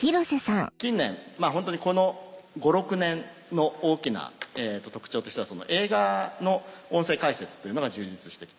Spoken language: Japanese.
近年ホントにこの５６年の大きな特徴としては映画の音声解説というのが充実してきた。